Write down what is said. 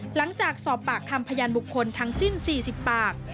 หลังจากสอบปากคำพยานบุคคลทั้งสิ้น๔๐ปาก